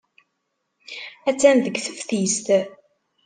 Attan deg teftist.